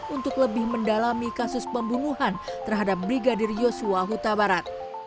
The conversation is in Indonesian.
untuk lebih mendalami kasus pembunuhan terhadap brigadir yosua huta barat